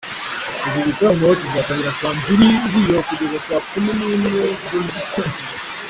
Iki gitaramo kizatangira mbiri z'ijoro kugeza saa kumi n'imwe za mu gitondo.